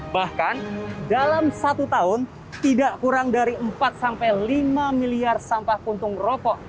bahkan dalam satu tahun tidak kurang dari empat sampai lima miliar sampah puntung rokok